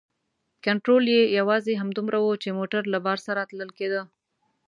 کنترول یې یوازې همدومره و چې موټر له بار سره تلل کیده.